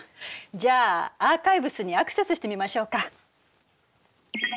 じゃあアーカイブスにアクセスしてみましょうか。